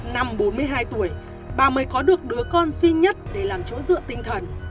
năm bốn mươi hai tuổi bà mới có được đứa con duy nhất để làm chỗ dựa tinh thần